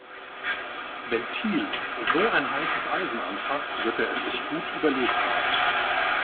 Wenn Thiel so ein heißes Eisen anfasst, wird er es sich gut überlegt haben.